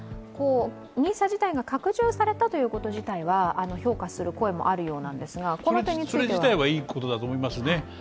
ＮＩＳＡ自体が拡充されたということ自体は評価される声があるみたいなんですが、その点についてはそれ自体はいいことだと思いますね。